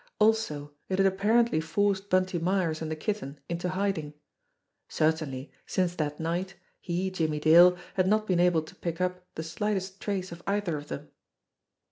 Also, it had apparently forced Bunty Myers and the Kitten into hiding. Certainly, since that night, he, Jimmie Dale, had not been able to pick up the slightest trace of either of them.